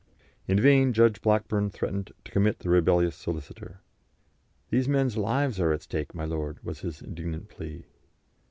In vain Judge Blackburn threatened to commit the rebellious solicitor: "These men's lives are at stake, my lord," was his indignant plea.